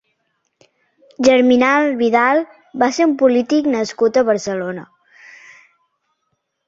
Germinal Vidal va ser un polític nascut a Barcelona.